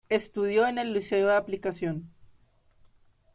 Estudió en el Liceo de Aplicación.